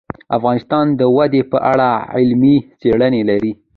افغانستان د وادي په اړه علمي څېړنې لري.